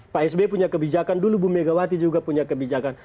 pak sby punya kebijakan dulu bu megawati juga punya kebijakan